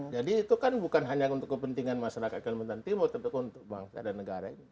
jadi itu kan bukan hanya untuk kepentingan masyarakat kalimantan timur tetap untuk bangsa dan negara